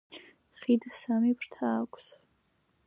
ხიდს სამი ფრთა აქვს.